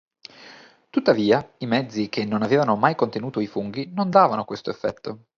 Tuttavia, i mezzi che non avevano mai contenuto i funghi non davano questo effetto.